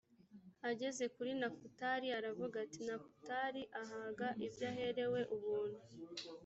ageze kuri nefutali aravuga ati nefutali ahaga ibyo aherewe ubuntu.